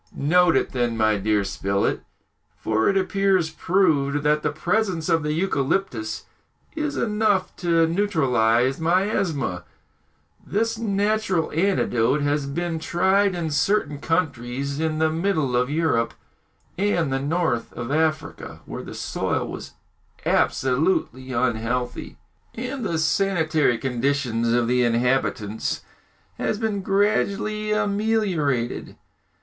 "Note it then, my dear Spilett; for it appears proved that the presence of the eucalyptus is enough to neutralise miasmas. This natural antidote has been tried in certain countries in the middle of Europe and the north of Africa, where the soil was absolutely unhealthy, and the sanitary condition of the inhabitants has been gradually ameliorated.